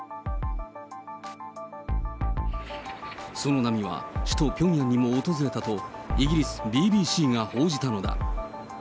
その波は首都ピョンヤンにも訪れたと、イギリスＢＢＣが報じたのだ。